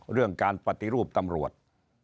เรื่องการปฏิรูปตำรวจ